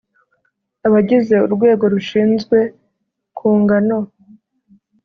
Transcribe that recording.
abagize urwego rushinzwe kunga no